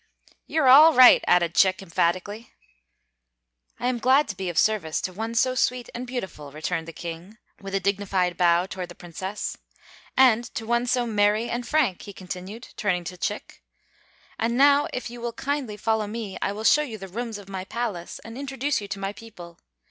"You're all right!" added Chick, emphatically. "I am glad to be of service to one so sweet and beautiful," returned the King, with a dignified bow toward the Princess, "and to one so merry and frank," he continued, turning to Chick. "And now, if you will kindly follow me, I will show you the rooms of my palace, and introduce you to my people.